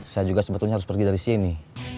saya juga sebetulnya harus pergi dari sini